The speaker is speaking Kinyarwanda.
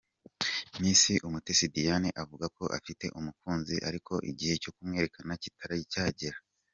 Miss Umutesi Diane avuga ko afite umukunzi ariko ko igihe cyo kumwerekana kitari cyagera.